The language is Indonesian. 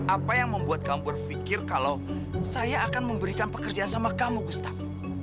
apa yang membuat kamu berpikir kalau saya akan memberikan pekerjaan sama kamu gustaf